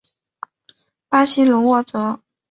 巴西隆沃泽。